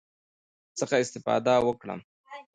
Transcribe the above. څخه استفاده وکړم،